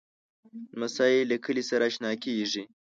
لمسی له کلي سره اشنا کېږي.